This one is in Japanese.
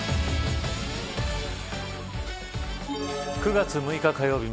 ９月６日火曜日